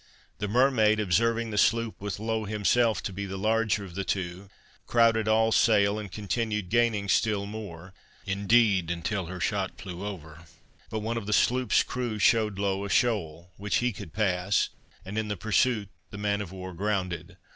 The Mermaid observing the sloop with Low himself to be the larger of the two, crowded all sail, and continued gaining still more, indeed until her shot flew over; but one of the sloop's crew shewed Low a shoal, which he could pass, and in the pursuit the man of war grounded.